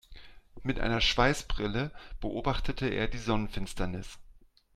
Mit einer Schweißbrille beobachtete er die Sonnenfinsternis.